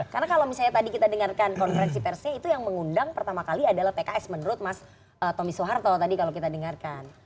karena kalau misalnya tadi kita dengarkan konferensi persnya itu yang mengundang pertama kali adalah pks menurut mas tommy soeharto tadi kalau kita dengarkan